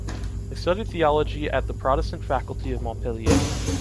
They studied theology at the Protestant Faculty of Montpellier.